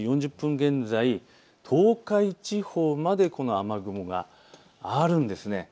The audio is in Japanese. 東海地方までこの雨雲があるんです。